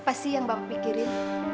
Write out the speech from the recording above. apa sih yang bapak pikirin